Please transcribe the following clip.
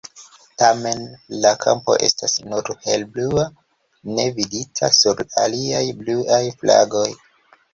Tamen, la kampo estas nur helblua ne vidita sur aliaj bluaj flagoj.